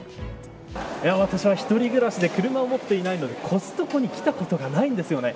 私は一人暮らしで車を持っていないのでコストコに来たことがないんですよね。